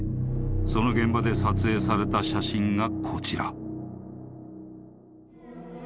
［その現場で撮影された写真がこちら］